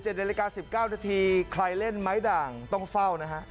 นาฬิกา๑๙นาทีใครเล่นไม้ด่างต้องเฝ้านะฮะ